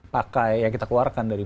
pakai yang kita keluarkan dari